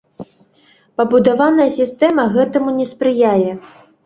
Пабудаваная сістэма гэтаму не спрыяе.